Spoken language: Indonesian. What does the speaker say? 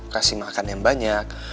kasih makan yang banyak